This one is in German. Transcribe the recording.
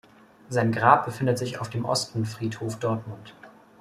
Sein Grab befindet sich auf dem Ostenfriedhof Dortmund.